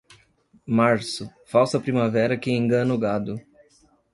Março, falsa primavera que engana o gado.